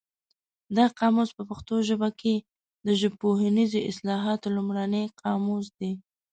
دا قاموس په پښتو ژبه کې د ژبپوهنیزو اصطلاحاتو لومړنی قاموس دی.